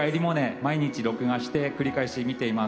毎日録画して繰り返し見ています。